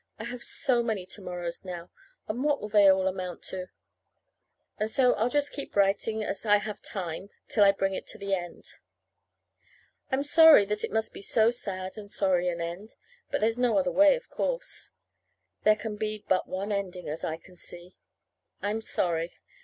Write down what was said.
(I have so many to morrows now! And what do they all amount to?) And so I'll just keep writing, as I have time, till I bring it to the end. I'm sorry that it must be so sad and sorry an end. But there's no other way, of course. There can be but one ending, as I can see. I'm sorry.